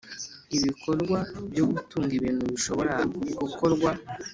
Ibikorwa byo gutunga ibintu bishobora gukorwa